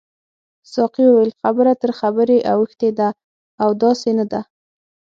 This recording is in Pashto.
ساقي وویل خبره تر خبرې اوښتې ده او داسې نه ده.